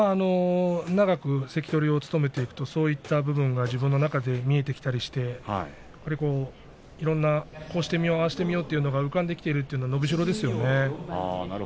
長く関取を務めていくとそういった部分が自分の中で見えてきたりしてこうしてみよう、ああしてみようと浮かんできているということがありますよね。